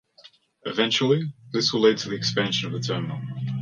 Eventually, this will lead to the expansion of the terminal.